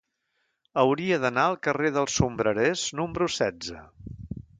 Hauria d'anar al carrer dels Sombrerers número setze.